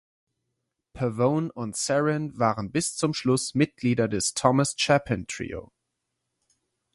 Pavone und Sarin waren bis zum Schluss Mitglieder des Thomas Chapin Trio.